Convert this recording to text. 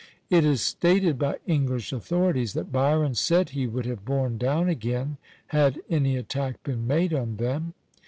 It is stated by English authorities that Byron said he would have borne down again, had any attack been made on them.